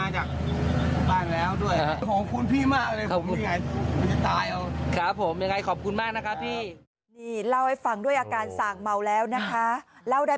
ใช่ครับอันนั้นผมกินมาจากบ้านแล้วด้วย